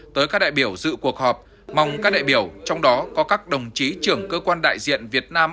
tới các đại biểu dự cuộc họp mong các đại biểu trong đó có các đồng chí trưởng cơ quan đại diện việt nam